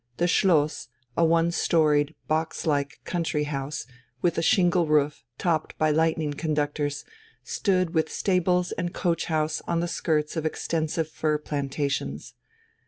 The Schloss, a one storied box like country house with a shingle roof topped by lightning conductors, stood with stables and coach house on the skirts of extensive fir plantations.